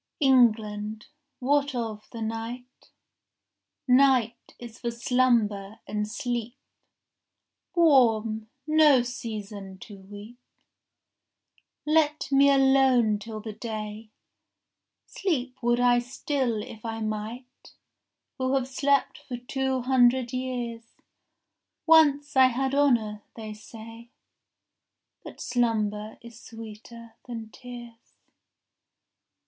14 England, what of the night?— Night is for slumber and sleep, Warm, no season to weep. Let me alone till the day. Sleep would I still if I might, Who have slept for two hundred years. Once I had honour, they say; But slumber is sweeter than tears.